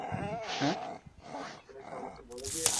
তোমার হাতে লোহা দেখিতেছি, স্বামী আছে বুঝি?